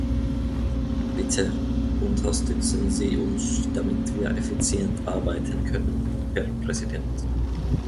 Bitte unterstützen Sie uns, damit wir effizient arbeiten können, Herr Präsident.